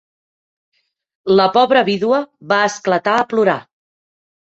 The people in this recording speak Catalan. La pobra vídua va esclatar a plorar.